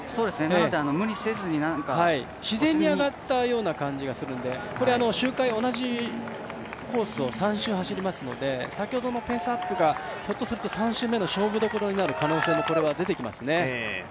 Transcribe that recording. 無理せずに自然に上がったような感じがするので周回、同じようなコースを３回走りますので先ほどのペースアップが３周目の勝負どころになる可能性が出てきますね。